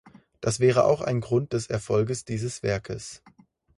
Das wäre auch ein Grund des Erfolges dieses Werkes.